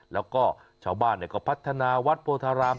แล้วก็ชาวบ้านก็พัฒนาวัดโพธาราม